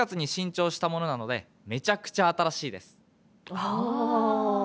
ああ！